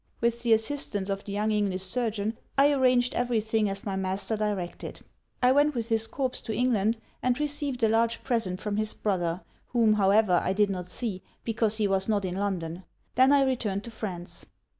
'With the assistance of the young English surgeon, I arranged every thing as my master directed. I went with his corps to England, and received a large present from his brother, whom, however, I did not see, because he was not in London. Then I returned to France.'